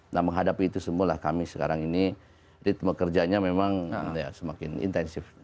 nah menghadapi itu semualah kami sekarang ini ritme kerjanya memang semakin intensif